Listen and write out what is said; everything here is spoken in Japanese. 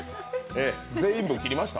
全員分切りました？